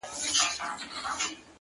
o چي ښکلي سترګي ستا وویني،